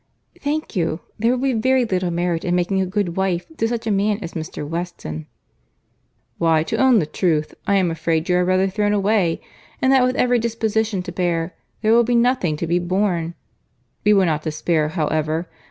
"Thank you. There will be very little merit in making a good wife to such a man as Mr. Weston." "Why, to own the truth, I am afraid you are rather thrown away, and that with every disposition to bear, there will be nothing to be borne. We will not despair, however.